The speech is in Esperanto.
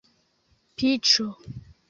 piĉo